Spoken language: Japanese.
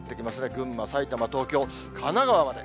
群馬、埼玉、東京、神奈川まで。